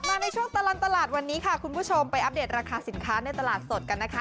ในช่วงตลอดตลาดวันนี้ค่ะคุณผู้ชมไปอัปเดตราคาสินค้าในตลาดสดกันนะคะ